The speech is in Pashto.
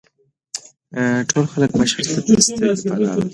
ټول خلک مشر ته سترګې پۀ لار دي ـ